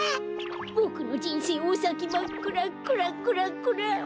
ボクのじんせいおさきまっくらクラクラクラ。